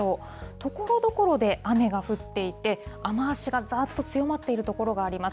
ところどころで雨が降っていて、雨足がざーっと強まっている所があります。